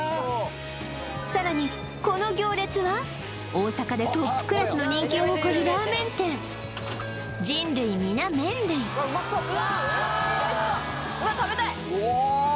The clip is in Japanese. さらにこの行列は大阪でトップクラスの人気を誇るラーメン店人類みな麺類おおっ